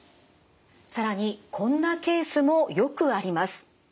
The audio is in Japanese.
更にこんなケースもよくあります。